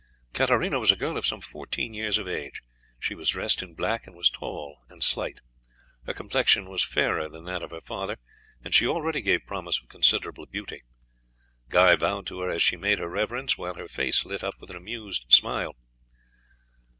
Katarina was a girl of some fourteen years of age. She was dressed in black, and was tall and slight. Her complexion was fairer than that of her father, and she already gave promise of considerable beauty. Guy bowed to her as she made her reverence, while her face lit up with an amused smile.